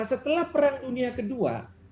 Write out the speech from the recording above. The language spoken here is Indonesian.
setelah perang dunia kedua